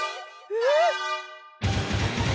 えっ！？